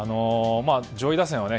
上位打線はね